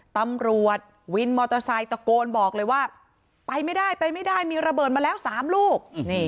ตำรวจวินมอเตอร์ไซค์ตะโกนบอกเลยว่าไปไม่ได้ไปไม่ได้มีระเบิดมาแล้ว๓ลูก